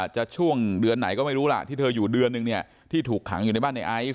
ช่วงเดือนไหนก็ไม่รู้ล่ะที่เธออยู่เดือนนึงเนี่ยที่ถูกขังอยู่ในบ้านในไอซ์